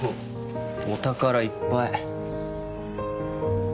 お宝いっぱい。